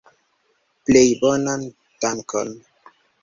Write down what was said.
Plej bonan dankon.